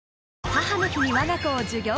母の日に我が子を授業